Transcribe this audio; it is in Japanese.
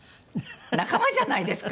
仲間じゃないですか。